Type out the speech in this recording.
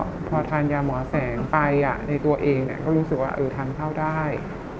พอทานยาหมอแสงไปในตัวเองก็รู้สึกว่าทานข้าวได้